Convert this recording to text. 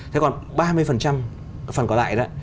thế còn ba mươi phần còn lại đó